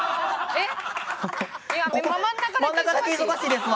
えっ？